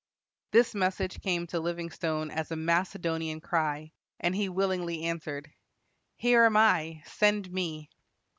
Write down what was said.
This message came to Livingstone as a Macedonian cry, and he willingly answered, "Here am I; send me."